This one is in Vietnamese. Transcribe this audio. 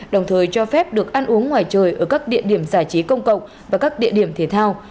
đồng thời cho phép được ăn uống ngoài trời ở các địa điểm giải trí công cộng và các địa điểm thể thao